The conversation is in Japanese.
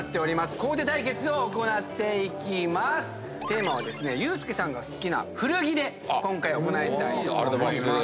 テーマはユースケさんが好きな古着で今回行いたいと思います。